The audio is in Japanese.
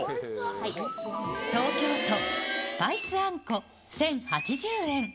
東京都、スパイスあんこ、１０８０円。